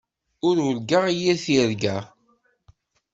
Ur urgaɣ yir tirga.